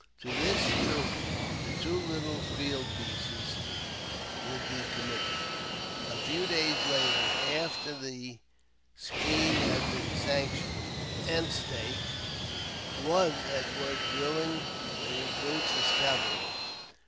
To this troop, the two little field pieces would be committed. A few days after the scheme had been sanctioned, Ensign Anstey was at work drilling the recruits as cavalry.